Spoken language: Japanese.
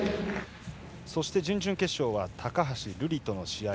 そして準々決勝は高橋瑠璃との試合